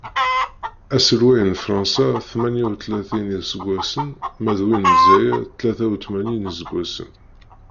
Aselway n Fransa tmanya utlatin iseggasen ma d win n lezzayer tlata utmanyin iseggasen.